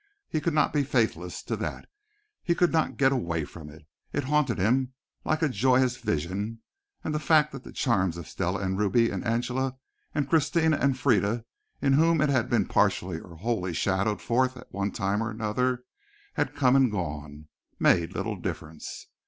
He could not be faithless to that. He could not get away from it. It haunted him like a joyous vision, and the fact that the charms of Stella and Ruby and Angela and Christina and Frieda in whom it had been partially or wholly shadowed forth at one time or another had come and gone, made little difference.